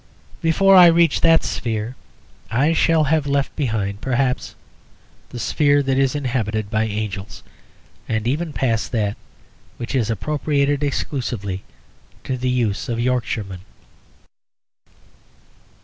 Before I reach that sphere I shall have left behind, perhaps, the sphere that is inhabited by angels, and even passed that which is appropriated exclusively to the use of Yorkshiremen.